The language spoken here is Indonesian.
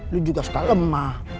lu juga suka lemah